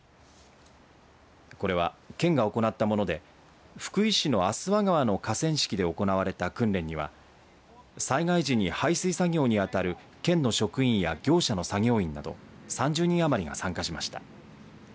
これは県が行ったもので福井市の足羽川の河川敷で行われた訓練には災害時に排水作業に当たる県の職員や業者の作業員など３０人余りが参加しました。